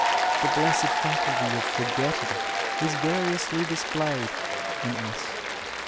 The blessed faculty of forgetting is variously displayed in us.